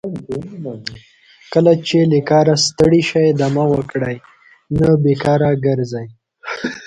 کله چې له کاره ستړي شئ دمه وکړئ نه بیکاره ګرځئ.